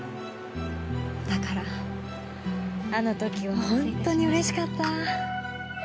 だからあの時はほんとにうれしかったぁ。